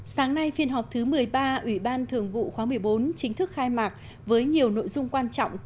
sáng nay phiên họp thứ một mươi ba ủy ban thường vụ khóa một mươi bốn chính thức khai mạc với nhiều nội dung quan trọng